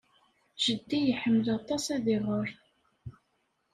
Jeddi iḥemmel aṭas ad iɣer.